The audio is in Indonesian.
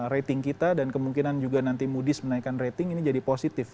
rating kita dan kemungkinan juga nanti ⁇ odies menaikkan rating ini jadi positif